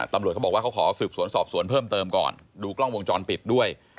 ตำรวจเขาบอกว่าเขาขอสืบสวนสอบสวนเพิ่มเติมก่อนดูกล้องวงจรปิดด้วย